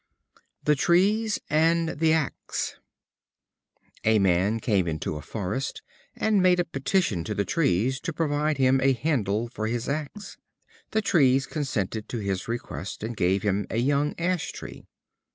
The Trees and the Axe. A Man came into a forest, and made a petition to the Trees to provide him a handle for his axe. The Trees consented to his request, and gave him a young ash tree.